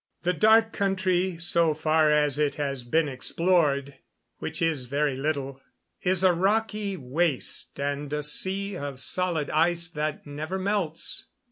The Dark Country, so far as it has been explored which is very little is a rocky waste and a sea of solid ice that never melts.